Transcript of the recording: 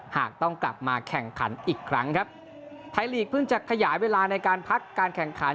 หากต้องกลับมาแข่งขันอีกครั้งครับไทยลีกเพิ่งจะขยายเวลาในการพักการแข่งขัน